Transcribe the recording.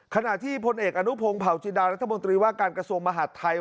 ขณะที่พลเอกอนุพงศ์เผาจินดารัฐมนตรีว่าการกระทรวงมหาดไทย